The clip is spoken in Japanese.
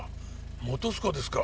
本栖湖ですか。